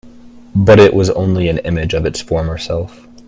But it was only an image of its former self.